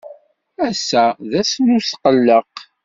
Ass-a d ass n utqelleq.